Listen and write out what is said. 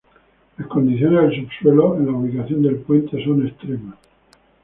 Las condiciones del subsuelo en la ubicación del puente son extremas.